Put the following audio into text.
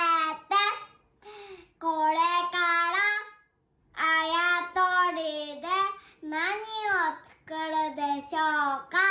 これからあやとりでなにをつくるでしょうか？